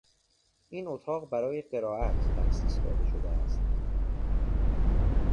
این اتاق برای قرائت تخصیص داده شده است.